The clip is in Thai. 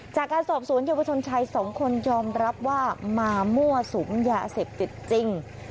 จากการสอบสวนเยาวชนชายสองคนยอมรับว่ามามั่วสุมยาเสพติดจริง